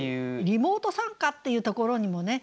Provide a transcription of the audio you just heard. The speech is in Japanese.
「リモート参加」っていうところにもね